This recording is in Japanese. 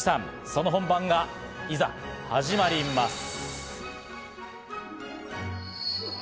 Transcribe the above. その本番がいざ始まります。